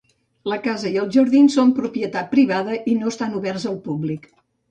La casa i els jardins són propietat privada i no estan oberts al públic.